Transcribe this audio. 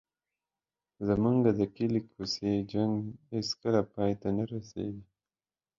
زموږ د کوڅې جنګ هېڅکله پای ته نه رسېږي.